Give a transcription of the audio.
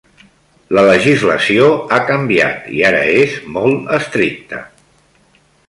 La legislació ha canviat i ara és molt estricta.